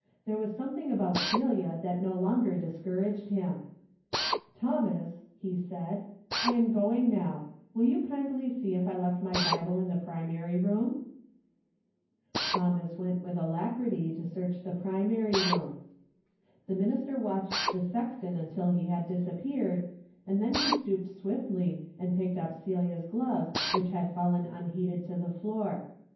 There was something about Celia that no longer discouraged him. A DAILY BATE,^ 333 " Thomas/' he said, '' I am going now. Will you kindly see if I left my Bible in the primary room ?" Thomas went with alacrity to search the primary room. The minister watched the sexton until he had disappeared, and then he stooped swiftly and picked up Celia's gloves which had fallen unheeded to the floor.